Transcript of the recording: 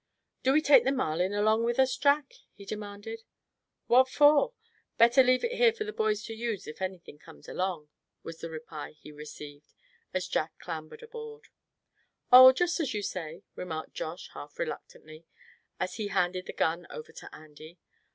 "Do we take the Marlin along with us, Jack?" he demanded. "What for? Better leave it here for the boys to use if anything comes along," was the reply he received, as Jack clambered aboard. "Oh! just as you say," remarked Josh, half reluctantly, as he handed the gun over to Andy.